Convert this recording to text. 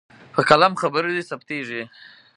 په قلم خبرې ثبتېږي.